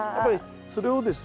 それをですね